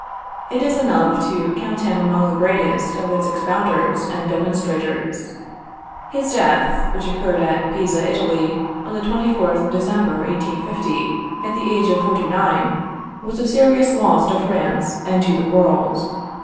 It is enough to count him among the greatest of its expounders and demonstrators. His death, which occurred at Pisa, Italy, on the 24th December, 1850, at the age of 49, was a serious loss to France and to the world.